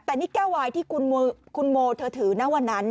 แต่นี่แก้ววายที่คุณโมเธอถือนะวันนั้น